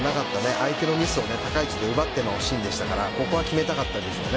相手のミスを高い位置で奪ってのシーンでしたからここは決めたかったですよね。